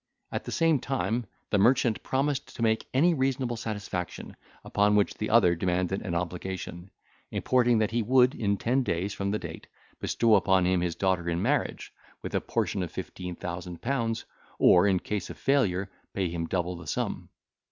At the same time the merchant promised to make any reasonable satisfaction, upon which the other demanded an obligation, importing that he would, in ten days from the date, bestow upon him his daughter in marriage, with a portion of fifteen thousand pounds, or, in case of failure, pay him double the sum.